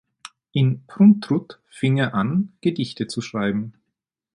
In Pruntrut fing er an Gedichte zu schreiben.